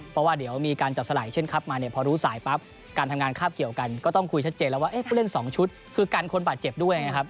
เพราะว่าเดี๋ยวมีการจับสลายเช่นคลับมาเนี่ยพอรู้สายปั๊บการทำงานคาบเกี่ยวกันก็ต้องคุยชัดเจนแล้วว่าผู้เล่น๒ชุดคือกันคนบาดเจ็บด้วยนะครับ